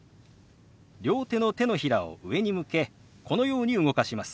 両手の手のひらを上に向けこのように動かします。